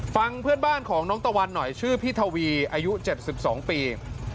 ฟังเพื่อนบ้านของน้องตะวันหน่อยชื่อพี่ทวีอายุ๗๒ปี